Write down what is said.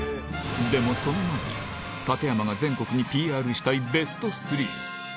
でも、その前に、館山が全国にＰＲしたいベスト３。